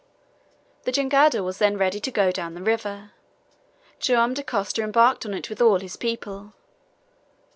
The jangada was then ready to go down the river. Joam Dacosta embarked on it with all his people.